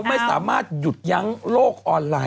คุณหมอโดนกระช่าคุณหมอโดนกระช่า